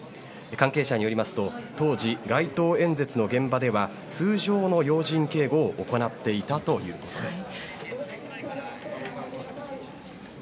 関係者によりますと当時、街頭演説の現場では通常の要人警護を行っていたということです。